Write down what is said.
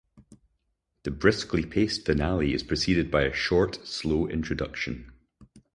The briskly-paced finale is preceded by a short slow introduction.